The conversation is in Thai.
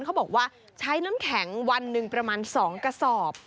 เขาบอกว่าใช้น้ำแข็งวันหนึ่งประมาณ๒กระสอบ